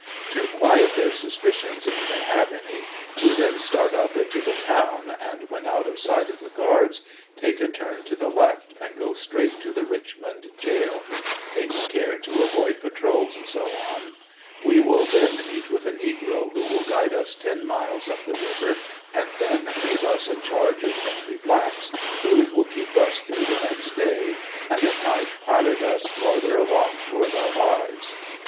To quiet their suspicious if they have any, we then start up into the town and when out of sight of the guards take a turn to the left, and go straight to the Kichmond jail; taking care to avoid patrols &c. We will then meet with a negro who will guide us ten miles up the river, and then leave us in charge of friendly blacks who will keep us through the next day and at night pilot us farther along toward our lives.